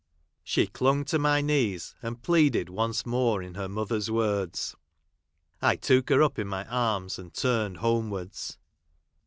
" She clung to my knees, and pleaded once more in her mother's words. I took her up in my arms, and turned homewards.